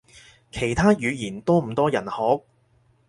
其他語言多唔多人學？